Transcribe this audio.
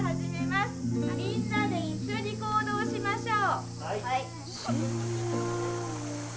みんなで一緒に行動しましょう。